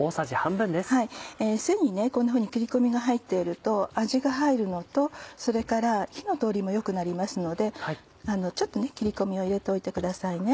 背にこんなふうに切り込みが入っていると味が入るのとそれから火の通りも良くなりますのでちょっと切り込みを入れておいてくださいね。